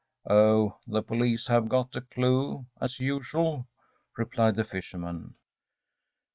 ‚ÄĚ “Oh, the police have got a clue as usual,‚ÄĚ replied the fisherman.